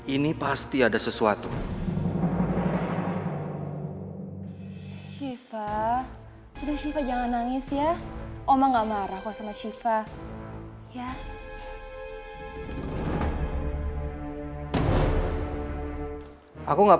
ini pasti ada sesuatu